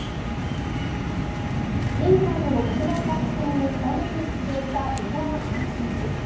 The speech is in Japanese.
イングランドの国内カップ戦にスタメンで出場した三笘薫選手。